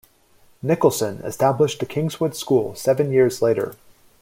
Nicholson established the Kingswood School seven years later.